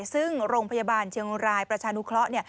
ซึ่งโรงพยาบาลเชียงรายประชานุเคราะห์